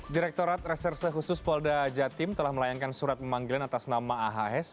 direktorat reserse khusus polda jatim telah melayangkan surat pemanggilan atas nama ahs